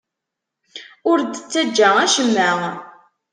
Ur d-ttaǧǧa acemma.